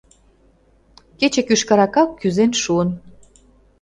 Кече кӱшкыракак кӱзен шуын.